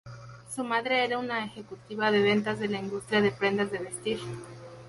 Su madre era una ejecutiva de ventas de la industria de prendas de vestir.